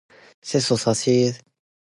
你點解打人啊？